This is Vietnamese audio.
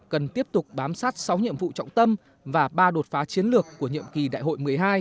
cần tiếp tục bám sát sáu nhiệm vụ trọng tâm và ba đột phá chiến lược của nhiệm kỳ đại hội một mươi hai